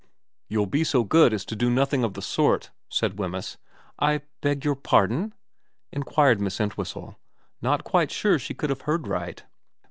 * You'll be so good as to do nothing of the sort,' said Wemyss. ' I beg your pardon ?' inquired Miss Entwhistle, not quite sure she could have heard right.